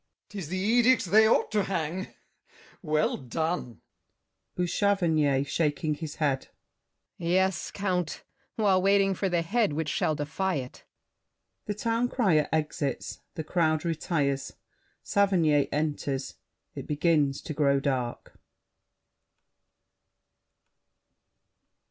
GASSÉ. 'Tis the edict they ought to hang! Well done! BOUCHAVANNES (shaking his head). Yes, Count; while waiting for the head Which shall defy it. [The Town Crier exits; the crowd retires. Saverny enters. It begins to grow dark.